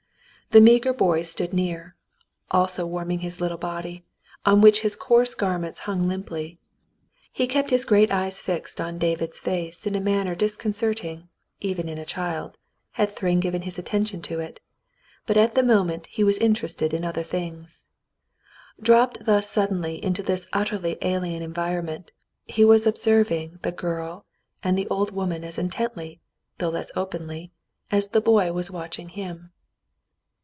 The meagre boy stood near, also warming his little body, on which his coarse garments hung limply. He kept his great eyes fixed on David's face in a manner disconcerting, even in a child, had Thryng given his attention to it, but at the moment he was in terested in other things. Dropped thus suddenly into this utterly alien environment, he was observing the girl and the old woman as intently, though less openly, as the boy was watching him.